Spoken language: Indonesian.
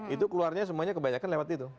itu keluarnya semuanya kebanyakan lewat itu